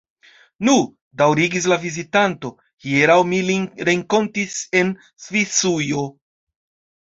Nu, daŭrigis la vizitanto, hieraŭ mi lin renkontis en Svisujo.